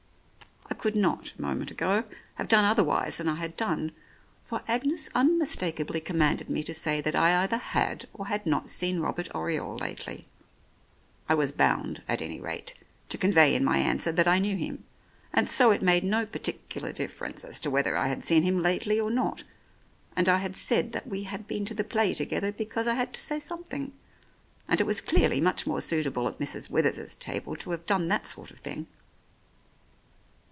I could not, a moment ago, have done otherwise than I had done, for Agnes unmistakably commanded me to say that I either had or had not seen Robert Oriole lately. I was bound, at any rate, to convey in my answer that I knew him, and so it made no particular difference as to whether I had seen him lately or not, and I had said that we had been to the play together because I had to say some thing, and it was clearly much more suitable at Mrs. Withers's table to have done that sort of thing.